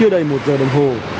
là học sinh